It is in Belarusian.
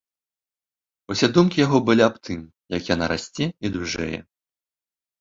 Усе думкі яго былі аб тым, як яна расце і дужэе.